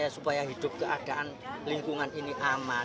supaya hidup keadaan lingkungan ini aman